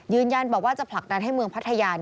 ยืนยันบอกว่าจะผลักดันให้เมืองพัทยา